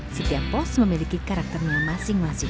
setiap pos memiliki karakternya masing masing